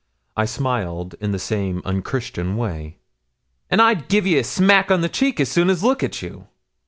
I smiled in the same unchristian way. 'And I'd give ye a smack o' the cheek as soon as look at you.'